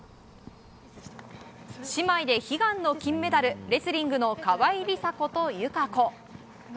姉妹で悲願の金メダルレスリングの川井梨紗子と友香子。